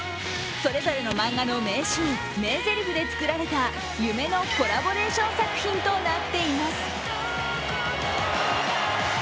それぞれの漫画の名シーン、名ぜりふで作られた夢のコラボレーション作品となっています。